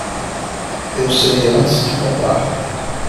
Eu sei antes de comprar.